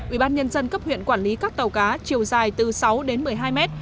ủy ban nhân dân cấp huyện quản lý các tàu cá chiều dài từ sáu đến một mươi hai mét